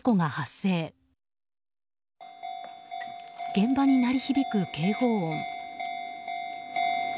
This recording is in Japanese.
現場に鳴り響く警報音。